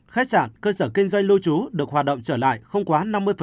khách sạn cơ sở kinh doanh lưu trú được hoạt động trở lại không quá năm mươi